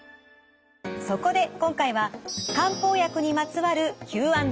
そこで今回は漢方薬にまつわるＱ＆Ａ。